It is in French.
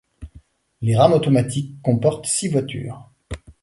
Les rames automatiques comportent six voitures.